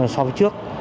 so với trước